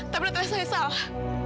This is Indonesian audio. tapi benar benar saya salah